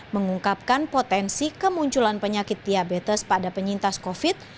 mengungkapkan potensi kemunculan penyakit diabetes pada penyintas covid